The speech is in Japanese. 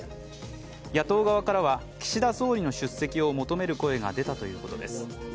野党側からは岸田総理の出席を求める声が出たということです。